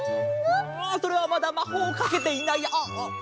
ああそれはまだまほうをかけていないあっあっ。